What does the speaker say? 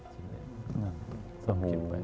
ส่องคลิปไป